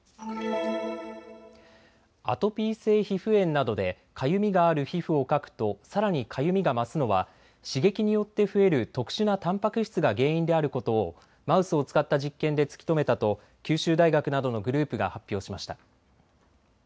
アトピー性皮膚炎などでかゆみがある皮膚をかくとさらにかゆみが増すのは刺激によって増える特殊なたんぱく質が原因であることをマウスを使った実験で突き止めたと九州大学などのグループが発表しました。